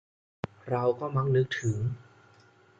เราก็มักนึกถึง